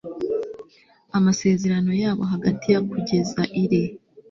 amasezerano yabo hagati ya kugeza iri